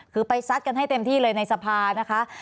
คือไปซัดกันให้เต็มที่เลยในสภานะคะ